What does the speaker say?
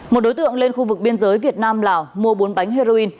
một đối tượng lên khu vực biên giới việt nam lào mua bốn bánh heroin